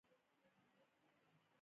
کوتره د بام له چت نه نه لوېږي.